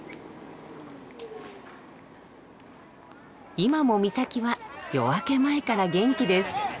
今も三崎は夜明け前から元気です。